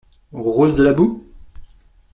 Rose De la boue ?